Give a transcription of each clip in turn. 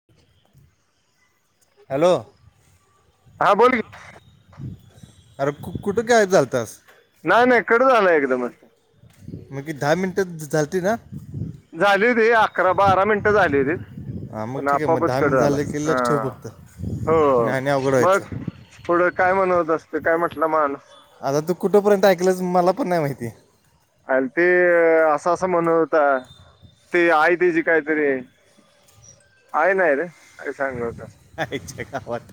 [inaudible] Hello. हा बोल की. अरे कु-कुठं कायब झालतास? नाही नाही कट झाला एकदम असं. मग क दहा मिनिटं झालती ना. झाले र अकरा बारा मिनटं झाले रे. हा मग ठीक आहे मग दहा मिनिट झालं की लक्ष ठेवू फक्त हो नाय आणि अवघड मग व्हायचं. पुढं काय म्हणवत असत काय म्हटलं मानस आता तू कुठंपर्यंत ऐकलस मला पण नाही माहिती. आणि ते असं असं म्हण होता, ते आहे तेजी आली कायतरी. आई नाही रे काय सांगु आता. आईच्या गावात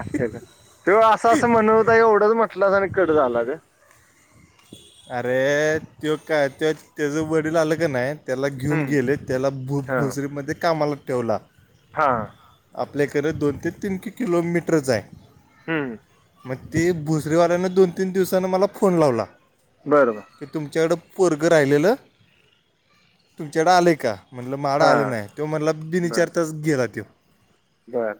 असं कायतर तेव्हा असं असं म्हण होता एवढंच म्हटलास आणि कड झालं रं. अरे तो काय त त्याचं वडील आलं क नाहीत त्याला घेऊन हम्म गेले. त्याला हा भु-भसरीमध्ये कामाला ठेवला. हा. आपल्या हिकडं दोन ते तीन किलोमीटरच आहे. हम्म मग ते भोसरीवाल्यानं दोन तीन दिवसांन मला फोन लावला. बर, बर. ते तुमच्याकडं पोरगं राहिलेलं, तुमच्याकडं आलंय का? म्हणलं माझ्याकडं हा आलं नाही. तो म्हणला बिन बर ईचारताच गेला तो. बर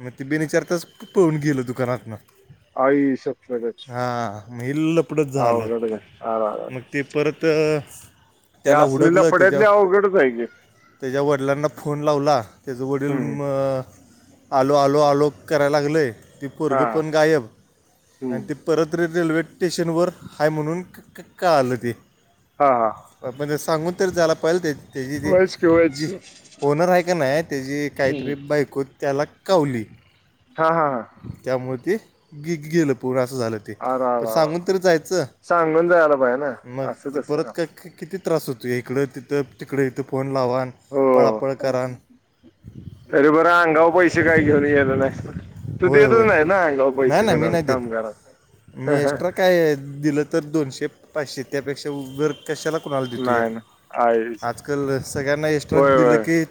मग ते बिन ईचारताच पळून गेलं दुकानातनं. आई शपथच हा मग हे लफडच झालं. होय? आर, आर. मग ते परत या त्याला असले लफड्यातले अवघडच हाय की. तेज्या वडलांना फोन लावला, त्याज वडील हम्म. म आलो, आलो, आलो करायला लागलंय. ती हा पोरगं पण गायब आणि हम्म. ते परत र-रेल्वे स्टेशनवर हाय म्हणून क-क-कळालं ते. हा, हा. म्हणजे सांगून तर झायाला पाहिजे. त्या तेजी ते व्हायच की व्हायच जी ओनर हाय का नाही त्याची की काहीतरी बायको त्याला कावली. हा हा हा त्यामुळं ते गे-गेलं पळून असं झालं. ते आरा रा पण रा रा, सांगून तरी जायचं सांगून जायला पाहिजे ना. मग असं ती कसं ना परत क-क-किती त्रास होतोय. हिकडं तिथं तिकडं इथं फोन लावान. हो पळापळ करान. तरी बरं अंगाव पैसे काय घेऊन गेलं नाही. त्यो होय होय देतच नाही ना अंगाव नाही पैसे ना मी कुणाला नाही देत कमगाराला. मी एक्स्ट्रा काय दिलं तर दोनशे पाचशे त्यापेक्षा वर कशाला कुणाला देतोया. नाही ना आईच आजकाल सगळ्यांना एक्स्ट्रा होय दिलं होय की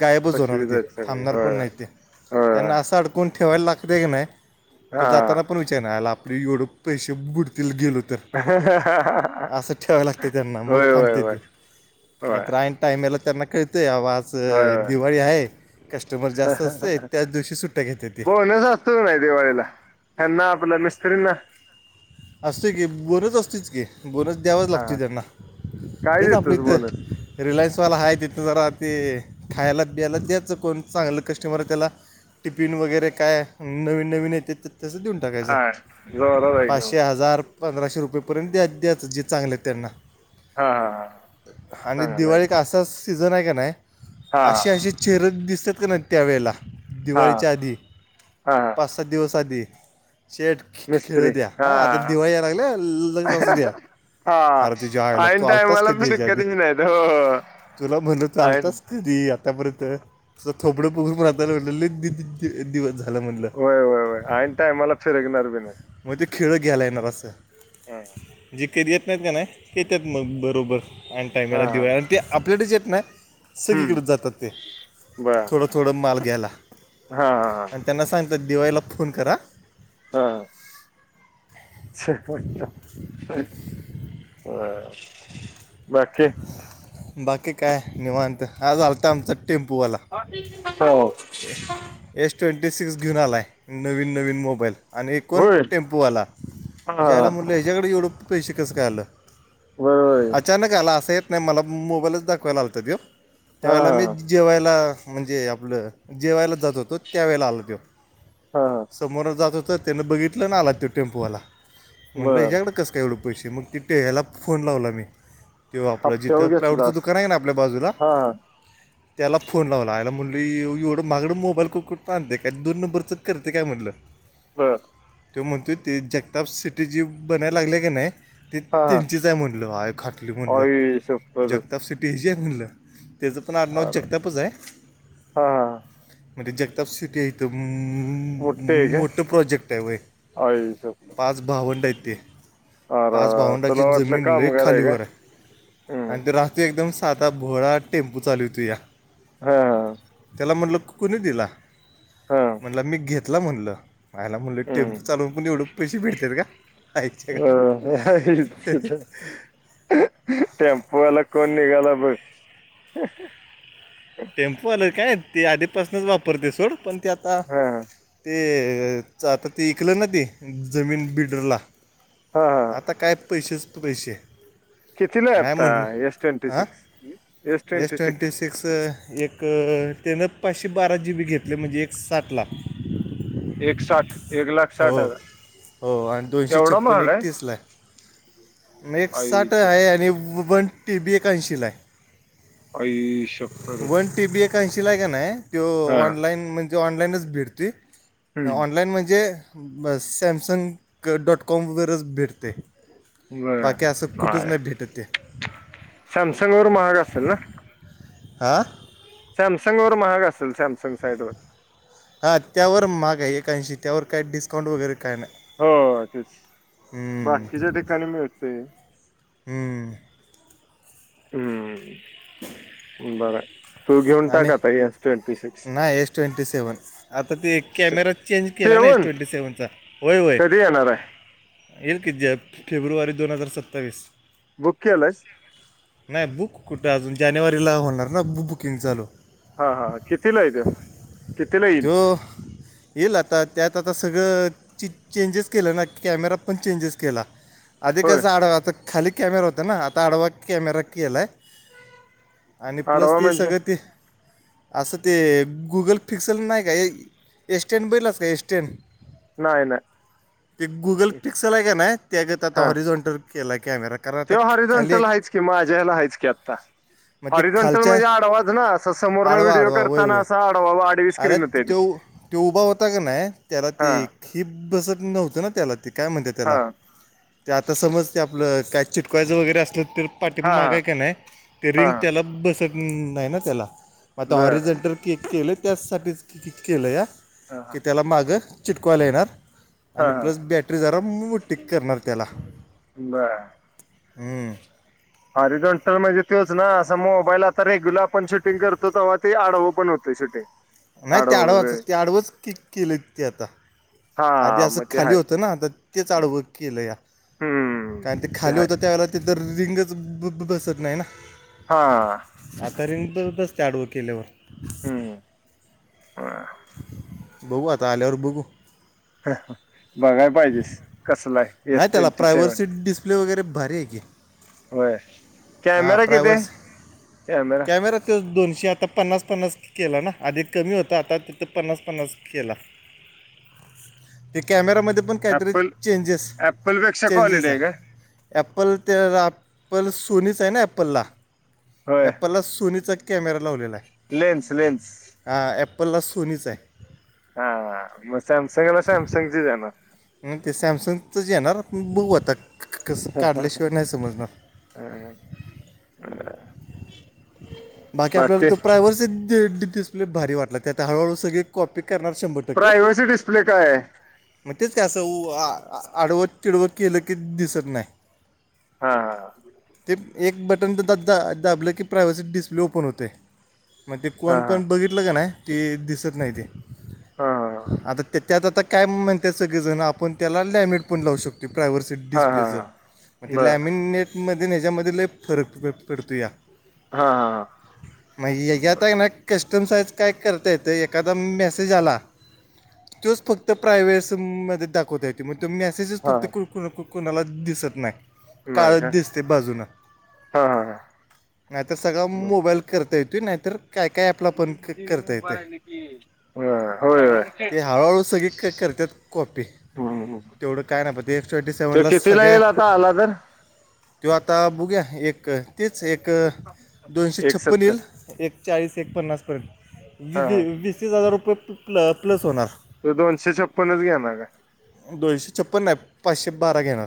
गायबच होणार फसवीत ते. आहेत सगळे थांबणार होय पण नाही ते. होय त्यांना असा अड कून ठेवाय लागतंय की नाही, तर हा जाताना पण विचार नाही आला आपली एवढं पैसे बुड तिल गेलो तर. असं ठेवाय लागतंय त्यांना मग होय होय थांबते होय ते. होय नाहीतर ऐनं टाइमला त्यांना कळतय बाबा आज होय च दिवाळी हाय, कस्टमर जास्त असतंय होय त्याच दिवशी सुट्ट्या घेत्यात ते. सण नाही दिवाळीला ह्यांना आपल्या मिस्त्रींना. असतोय की बोनस असतोयच की, बोनस द्यावाच हा लागतोय त्यांना. काय तेच आपलं देतोस बोनस? इथं रिलायन्सवाला आहे तिथं जरा ते खायला पियाला द्याचं कोण चांगलं कस्टमर आहे त्याला टिफिन वगैरे काय नवीन नवीन येतेत ते तसं देऊन टाकायचं आ जोरात आहे जाम. पाचशे हजार पंधराशे रुपये पर्यंत द्या द्याच जे चांगलेत त्यांना. हा हा हा आणि सांगा नाही दिवाळी एक असा सीझन आहे का नाही हा अशी अशी चेहरचं दिसत्यात का नाही त्यावेेळेला हा दिवाळीच्या आधी हा पास दिवस‌ आधी शेठ मिस्त्री हा आता दिवाळी याय लागल्या लक्ष असू द्या. हा अरे तुझ्या आईला तू ऐन आलतास टायमाला कधी हेज्या आधी. फिरकत बी नाहीत हो तुला म्हण तु ऐन आलतास? तरी आतापर्यंत तुझ थोबडं बघूनपण आताला म्हटलंले लई दि दि दि दिवस झालं म्हणलं होय होय होय ऐन टायमाला फिरकणार बी नाही. मग ते खेळ घ्यायला येणार असं हा म्हणजे कधी येत नाहीत का नाही. येत्यात मग बरोबर ऐन हा टायमला हा. दिवाळी आणि ते आपल्याडेच येत नाय. हम्म सगळीकडंच जातात ते बर थोडं थोडं माल घ्यायला. हा हा आणि त्यांना सांगतात दिवाळीला फोन करा. हां. [inaudible] हं हं हं होय बाकी. बाकी काय निवांत आज आलता आमचा टेम्पोवाला. हो. ए एस ट्वेंटी सिक्स घेऊन आलाय नवीन नवीन मोबाईल आणि कोण होय टेम्प बोला हां, हेच्या आईला म्हणलं हां. याच्याकडे एवढ पैसे कसं काय आलं? बरोबर आहे. अचानक आला अस येत नाही मला मोबाईलचं दाखवायला आलता त्यो त्यावेळेला मी हां, ज जेवायला म्हणजे आपलं जेवायला जात होतो त्यावेेळेला आला त्यो. हा हा. समोरन जात होतं त्यानं बघितलं इण आला त्यो टेम्पोवाला म्हटलं बरं. ह्याच्याकंड कस एवढं पैसे मग ति टेहायला फोन लावला मी. ते आपलं जिथं हप्त्यावर प्लाऊडचं घेतलास. दुकान आहे ना आपल्या बाजूला हां, हां. त्याला फोन लावला आला म्हणलं ये एवढं माहागडं मोबाईल क कूटनं आणलयं काय दोन नंबरच करतयं काय म्हणलं. बर. त्यो म्हणतोय ते जगताप सिटी जी बनायला लागलिया क नाय ते हां, हां. त्यांचीच आहे म्हणलं आय खाटली म्हणल, आई शप्पथच! जगताप शेट्टी हची आहे म्हणलं. त्याचं पण आडनाव अरे! जगतापचं आहे हां, हां. म ती जगताप सिटी आहे म मोठी आहे म का? मोठं प्रोजेक्ट आहे वय. आई शप्पथ! पाच भावंड आहेत ते. पाच अरेरे! तुला भावंडाची वाटलं जमीन लई कामगार का? खालीवर आहे. हं. आणि त्यो राहतोय एकदम सादा भोळा टेम्पू चालूवतूया. हा. ला म्हटलं कु कुणी दिला हां. म्हणटलं मी घेतला म्हणलं. मायला म्हणलं हं. टेम्पो चालवून पण एवढं पैसे भेटतात का आईची गावात. काय तुज. हं हं टेम्पो वाला कोण निघाला बघ. हं हं. टेम्पोवाल काय ते आधीपासूनच वापरतयं सोडं पण ते आता हां, हां. ते आता ते ईकलं ना ते जमीन बिल्डरला हां, हां. आता काय. पैसेच पैसे. कितीलाय नाही आत्ता म्हटलं S twenty six S twenty six. अस एक त्यानं पाचशे बारा जी बी घेतले म्हणजे एक साठ ला. एक साठ. हो हो आणि दोनशे एवढा छप्पन महाग एकतीसला आहे. म एक आई साठ शप्पथ! आहे आणि वन टी बी एक ऐंशीला आहे. आई शप्पथच वन टीबी एक ऐंशीलाय का नाही तो हा ऑनलाईन म्ह ऑनलाईनच भेटतोय हम्म ऑनलाईन म्हणजे ब सॅमसंग डॉट कॉमवरच भेटतयं. बर बाकी असं कुठंच बर नाही भेटत ते. सॅमसंग वर महाग असल ना. आ. सॅमसंग वर महाग असेल सॅमसंग साईड वर. हां त्यावर महाग आहे एक ऐंशी त्यावर काय डिस्काउंट वगैरे काय नाही. हो तेच बाकीच्या ठिकाणी मिळतयं. हम. हम्म बरंय. आणि नाही एस ट्वेंटी सेव्हन आता ते एक कॅमेरा चेंज केला ना एस सेवन ट्वेंटी सेव्हनचा होय होय. कधी येणार आहे येईल किती ज फेब्रुवारी दोन हजार सत्तावीस. बुक केलाईस. नाही बुक कुठं अजून जानेवारीला होणार ना बु बुकिंग चालू. हा हा कितीलाय त्यो कितीला येईल त्यो येईल आता त्यात आता सगळं च च चेंजेस केला ना कॅमेरा पण चेंजेस केला. आधी होय कसा आडवा आता खाली कॅमेरा होत ना आता आडवा कॅमेरा केलाय. आणि प्लस आडवा ते म्हणजे सगळं ते असं ते गुगल पिक्सल नाही का ए स्टँड बघितलास का ए स्टँड? नाही नाही ते गुगल पिक्सल आहे का ना त्यज्यात आता हॉरिझंटर केलाय कॅमेरा. कारण आता त्यो खाली आहे होरिझंटल की माज्या ह्यला हायच की आत्ता. मग ते हॉरिझंटल खालच्या म्हणजे आडवाचं ना अस समोर न आडवा व्हिडिओ आडवा वय करताना वय असा आडवा आडवी अरे स्क्रीन होते ती तो तो उभा होता का नाही त्याला ती हा हि बसत नव्हती ना त्याला ती काय म्हणत्यात हा त्याला ते आता समज ते आपलं काय चिटकावायचं वगैरे असलं तर. हा हा पाठीमागाय का नाही ते रिंग हा त्याला बसत नाही ना त्याला मग आता बर ऑरिजेंटल केक केलंय त्याचसाठीच केलंया. हा हा. त्याला मागं चिटकवायला येणार. आणि हा प्लस बॅटरी जरा मो मोठी क करणार त्याला बर हम्म. होरिझंटल म्हणजे तोच ना अस मोबाईल आता रेग्युलर आपण शूटिंग करतो ते ते आडव पण होत शुटटींग. नाही त्या आडवाच त्या आडवंच कक केलय ते आता. आधी हा असं मग ते खाली आहे होतं ना तर ते आडवं केलंया हम्म कारण ते खाली आहे होत त्यावेेळेला तर रिंगच ब बसत नाही ना. हां. आता रिंगपण बसतिया आडव केल्यावर. हम्म ह. बघू आता आल्यावर बघू. बघाय पाहिजेस कसलाय एस ट्वेंटी सेव्हन. प्ले वगैरे भारी आहे की. होय हां कॅमेरा किती आहे प्रायव्हर्सी कॅमेरा. दोनशे आता पन्नास पन्नास केला ना अधी कमी होतं आता ते पन्नास पन्नास केला ते कॅमेरा मध्ये काहीतरी ऍपल चेंजेस ऍपल पेक्षा चेंजेस क्वालिटी आहे. का ॲप्पल त्या ॲप्पल सोनीच आहे ना ॲप्पलला. होय ऍपलला सोनीचा कॅमेरा लावलेला. आहे लेन्स लेन्स. हां ॲपलला सोनीच आहे. हा म सॅमसंग आ ना साॅमसंगज जा ना. नाही ते सॅमसंगचं जे येणार आपण बघू आता कसं काढल्याशिवाय नाही समजणार. हम्म हं बर. बाकी आपल्याला तो प्रायव्हरसी डि डिस्प्ले भारी वाटला त्यात हळूहळू सगळी कॉपी करणार शंभर प्रायवरसी डिस्प्ले काय आय? तेेच कि असं आडव तीडव केलं की दिसत नाही. हा हा हा. ते एक बटन तर दाबलं की प्रायव्हसी डिस्प्ले ओपन होते. मग ते कोण हा हा पण बघितलं का नाही ते दिसत नाही ते हा आता ते त्यात आता काय म्हणतात सगळे जण आपण त्याला लमिट पण लाव शको प्रायव्हसी हा हा डिस्प्लेचं हा मग ते बर लॅमिननेटमध्ये ह्याच्यामध्ये ल फरक पडतो या. हां हां हां. मग ह्याज्यात आहे ना कस्टम साईज काय करता येतंय एखादा मेसेज आला. तोच फक्त प्रायव्टसमध्ये दाख वतय मग तो मेसेजस हा फक्त कोणाला दिसत नाही. नाही का काळच दिसते बाजून हा हा हा नाही त सगळा बर मोबाईल करता येतोय नाहीतर काय काय ॲप ला पण क करता येते होय होय ते हळूहळू सगळे क करत्यात. कॉपी हम्म. तेवढं काय नाही प ते एस ट्वेंटी तो सेव्हनला कितीला सगळ्या. येईल आता आला तर तो आता बुघ्या एक तीच एक. दोनशे एक छप्पन सत्तर येईल एक चाळीस एक पन्नासपर्यंत वी हा हा वीसतीस हजार रुपये प प्ल प्लस होणार. तो दोनशे छप्प्नच घेणार काय? दोनशे छप्पन नाही पाचशे बारा घेणार.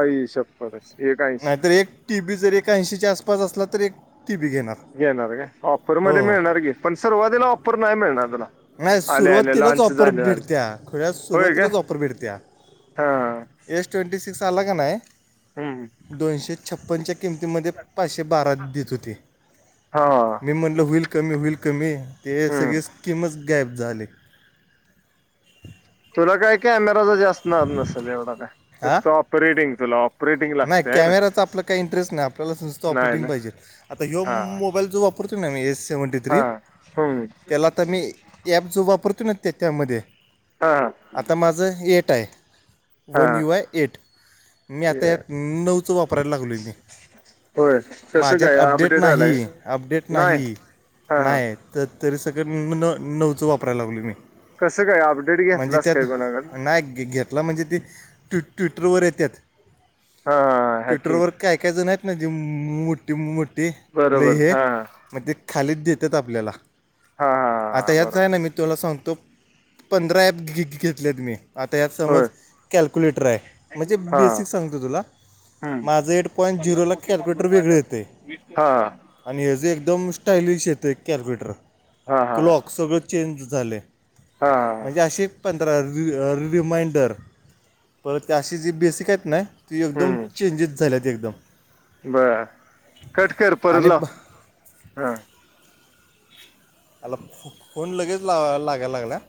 आई छप्पनच एक ऐंशी नाहीतर एक टीबी जर एक ऐंशीच्या आसपास असला तर एक. टी बी गेणार. येेणार का ऑपर मध्ये मिळणार गी पण सुरुवातीला ऑफर नाही मिळणार तुला. नाही आले आले सुरुवातीलाच लॉन्च ऑपर झालं झालं भेटत्या खुळ्या होय काय सुरुवातीलाच ऑपर भेटत्या. हा. एस ट्वेंटी सिक्स आला का हम्म नाही दोनशे छप्पनच्या किमतीमध्ये पाचशे बारा देत होते. हा. म म्हटलं होईल कमी होईल कमी ते हम्म सगळे स्कीमच गायब झाली. तुला काय कॅमेराचा जास्णार नसेल एवढा का हां फऑपरेटिंग तुला ऑप. नाही कॅमेराचं आपलं काही इंटरेस्ट नाही आपल्याला स्स्त नाही ऑपेटिंग ना पाहिजे आता ह हा मोबाईल जो वॉप वापरत ना मी एस सेव्हनटी थ्री हा हम्म त्याला तर मी. ॲप जो वापरतो न्ह त्या त्यामध्ये हा आता माझं एट आहे. हा वन यू आय एट मी आता ये. यात नऊचं वापरायला लागलो आहे मी. होय कसं माझ्यात काय अपडेट नाही आलाय अपडेट नाही हा हा नाही. तर तरी सगळं न नऊच वापरायला लागलोय मी. कसं काय अपडेट म्हणजे घेतलास त्यात काय कोणाकडून नाये घे घेत. त्याला म्हणजे ते ट् ट्विटरवर येतात. हा. हॅकिंग ट्विटरवर काय काय जण आहेत ना जे मोठी मु मोठी लई बरोबर हे. हा मग ते खालीच देतात आपल्याला हा आता हा याच बरोबर आहे ना मी. तुला सांगतो पंधरा ॲप घ घेतलेत मी. आता यात समज होय कॅल्क्युलेटर आहे म्हणजे हा बेसिक सांग तुझं तुला हम्म माझं एट पॉईंट झिरोला कॅल्क्युलेटर वेगळ येते. हा आणि ह्यज एकदम स्टायलिश येतंय कॅलकुलेटर हा हा क्लॉक सगळं चेंज झालय हा म्हणजे अशे पण रि रि रिमाइंडर पर त्या अशी जे बेसीक आहेत ना. एकदम हम्म चेंजीस झाल्यात एकदम. ह कट कर परत आणि लाव ब- हा. आईला फोन लगेच लाव लागय लागलाय.